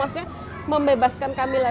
maksudnya membebaskan kami lah